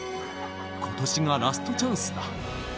ことしがラストチャンスだ。